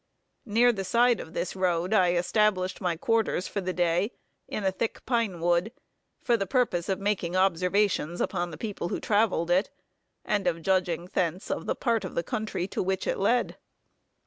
Near the side of this road I established my quarters for the day in a thick pine wood, for the purpose of making observations upon the people who traveled it, and of judging thence of the part of the country to which it led.